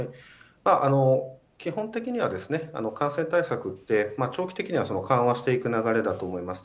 基本的には、感染対策って、長期的には緩和していく流れだと思います。